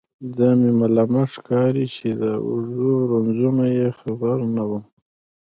ځان مې ملامت ښکاري چې د اوږدو رنځونو یې خبر نه وم.